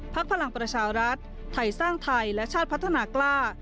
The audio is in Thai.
พลังประชารัฐไทยสร้างไทยและชาติพัฒนากล้า